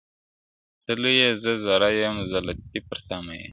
ته لوی یې زه ذره یم زه لطیف پر تامین یم